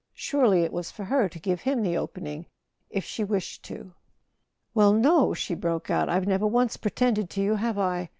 Surely it was for her to give him the opening, if she wished to. "Well, no!" she broke out. "I've never once pre¬ tended to you, have I